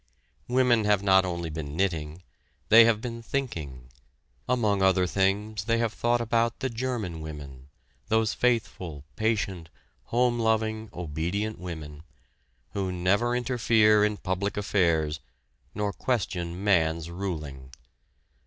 Women have not only been knitting they have been thinking. Among other things they have thought about the German women, those faithful, patient, home loving, obedient women, who never interfere in public affairs, nor question man's ruling.